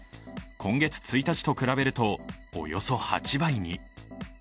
今月１日と比べると、およそ８倍に。